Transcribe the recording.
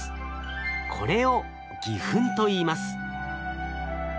これを偽ふんといいます。